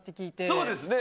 そうですね。